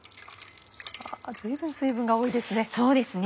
随分水分が多いですね。